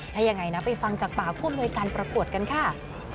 ถ้ายังไงนะไปฟังจากป่าคุมด้วยกันประกวดกันค่ะ